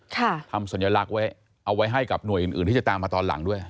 ทำสัญลักษณ์ไว้เอาไว้ให้กับหน่วยอื่นอื่นที่จะตามมาตอนหลังด้วย